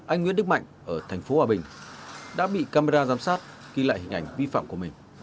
anh nguyễn đức mạnh ở thành phố hòa bình đã bị camera giám sát ghi lại hình ảnh vi phạm của mình